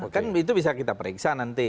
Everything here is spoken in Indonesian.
kan itu bisa kita periksa nanti